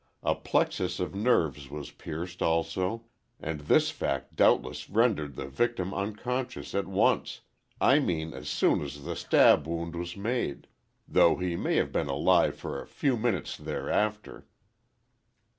A plexus of nerves was pierced also, and this fact doubtless rendered the victim unconscious at once—I mean as soon as the stab wound was made, though he may have been alive for a few minutes thereafter."